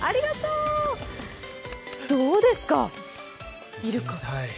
どうですか、イルカ。